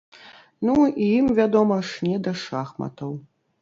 Ну, і ім, вядома ж, не да шахматаў.